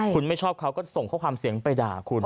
คุณไม่ชอบเขาก็ส่งข้อความเสียงไปด่าคุณ